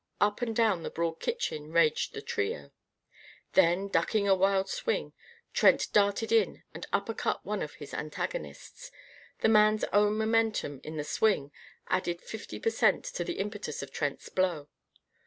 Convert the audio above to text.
Up and down the broad kitchen raged the trio. Then, ducking a wild swing, Trent darted in and uppercut one of his antagonists. The man's own momentum, in the swing, added fifty per cent. to the impetus of Trent's blow.